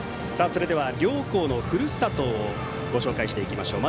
それでは、両校のふるさとをご紹介していきましょう。